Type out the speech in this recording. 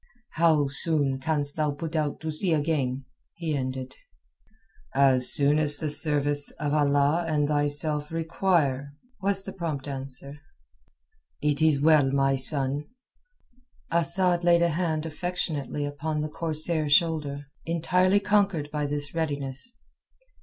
"How soon canst thou put to sea again?" he ended "As soon as the service of Allah and thyself require," was the prompt answer. "It is well, my son." Asad laid a hand, affectionately upon the corsair's shoulder, entirely conquered by this readiness.